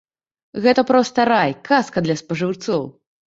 Гэта проста рай, казка для спажыўцоў.